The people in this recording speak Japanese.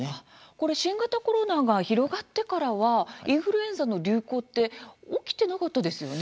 これ新型コロナが広がってからはインフルエンザの流行って起きてなかったですよね？